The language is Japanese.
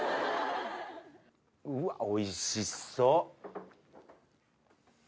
うわっおいしそう！